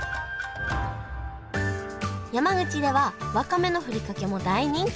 山口ではわかめのふりかけも大人気！